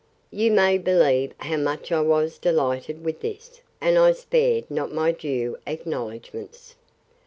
You may believe how much I was delighted with this; and I spared not my due acknowledgments.